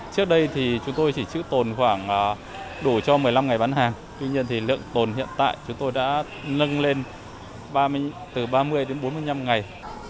trước đây thì chúng tôi chỉ chữ tồn khoảng đủ cho một mươi năm ngày bán hàng tuy nhiên thì lượng tồn hiện tại chúng tôi đã nâng lên từ ba mươi đến bốn mươi năm ngày